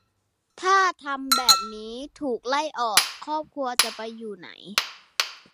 ถ้าทำแบบนี้ ถูกไล่ออก ครอบครัวจะไปอยู่ไหน